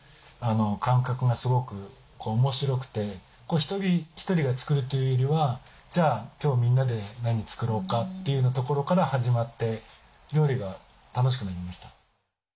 一人一人が作るというよりはじゃあ今日みんなで何作ろうかというなところから始まって料理が楽しくなりました。